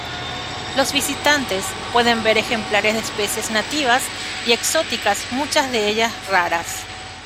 Los visitantes pueden ver ejemplares de especies nativas y exóticas muchas de ellas raras.